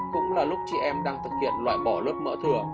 cũng là lúc chị em đang thực hiện loại bỏ lớp mỡ thừa